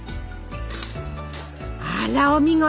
あらお見事！